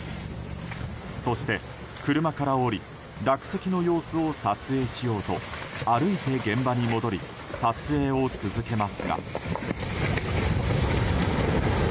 そして、車から降り落石の様子を撮影しようと歩いて現場に戻り撮影を続けますが。